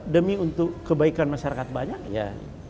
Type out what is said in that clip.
demi untuk kebaikan masyarakat banyak ya